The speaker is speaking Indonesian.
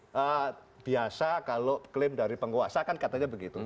jadi biasa kalau klaim dari penguasa kan katanya begitu